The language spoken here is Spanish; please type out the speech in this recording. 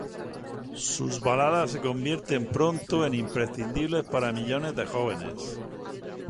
Sus baladas se convierten pronto en imprescindibles para millones de jóvenes.